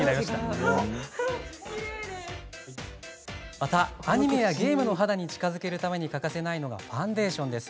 またアニメやゲームの肌に近づけるために欠かせないのがファンデーションです。